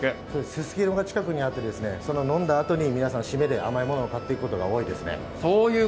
ススキノが近くにあって飲んだあとに皆さん、締めで甘いものを買っていくことが多いですね。